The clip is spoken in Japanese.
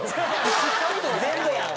全部やん。